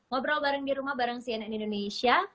ngobrol bareng di rumah bareng cnn indonesia